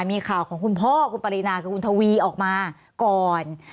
มีข่าวของคุณพ่อคุณปรินาคือคุณทวีออกมาก่อน